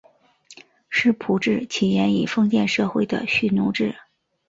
世仆制起源于封建社会的蓄奴制。